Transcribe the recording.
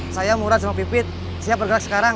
saya murah sama pipit siap bergerak sekarang